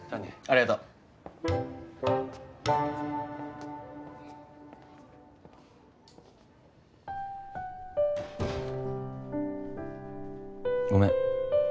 ありがとう。ごめん。